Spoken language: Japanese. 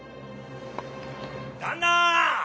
・旦那！